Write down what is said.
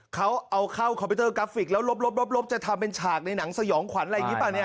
เขาเอาเข้าคอมพิวเตอร์กราฟิกแล้วลบจะทำเป็นฉากในหนังสยองขวัญอะไรอย่างนี้ป่ะเนี่ย